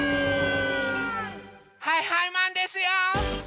はいはいマンですよ！